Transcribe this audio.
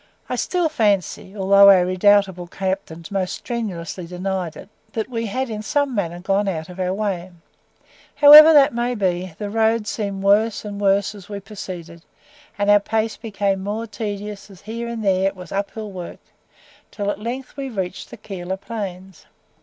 I still fancy, though our redoubtable captain most strenuously denied it, that we had in some manner gone out of our way; however that may be, the roads seemed worse and worse as we proceeded, and our pace became more tedious as here and there it was up hill work till at length we reached the Keilor plains.